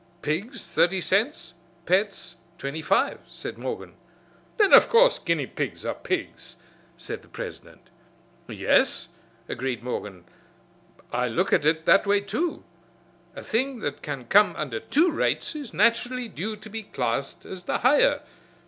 "Pigs thirty cents, pets twenty five," said Morgan. "Then of course guinea pigs are pigs," said the president. "Yes," agreed Morgan, "I look at it that way, too. A thing that can come under two rates is naturally due to be classed as the higher.